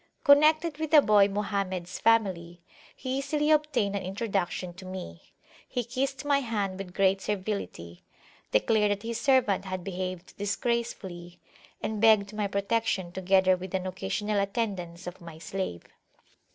Connected with the boy Mohammeds family, he easily obtained an introduction to me; he kissed my hand with great servility, declared that his servant had behaved disgracefully; and begged my protection together with an occasional attendance of my slave.